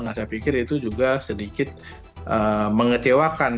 nah saya pikir itu juga sedikit mengecewakan